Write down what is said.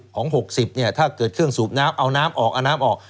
ของ๖๐เนี่ยถ้าเกิดเครื่องสูบน้ำเอาน้ำออกเอาน้ำออก